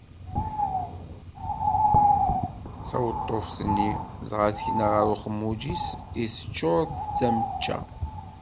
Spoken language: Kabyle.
Taweṭṭuft-nni dɣa tekna, ɣer uxemmuj-is i teččur d tamečča.